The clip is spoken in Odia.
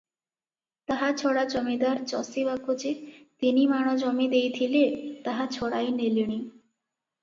ତାହା ଛଡ଼ା ଜମିଦାର ଚଷିବାକୁ ଯେ ତିନିମାଣ ଜମି ଦେଇଥିଲେ, ତାହା ଛଡ଼ାଇ ନେଲେଣି ।